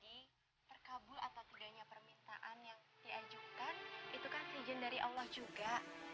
jadi terkabul atas budaya permintaan yang dianjurkan itu kan sejen dari allah juga